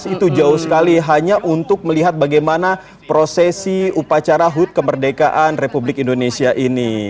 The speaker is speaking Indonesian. itu jauh sekali hanya untuk melihat bagaimana prosesi upacara hut kemerdekaan republik indonesia ini